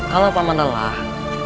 kalo paman lelah